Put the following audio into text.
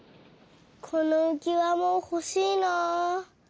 このうきわもほしいな！